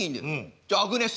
じゃアグネス？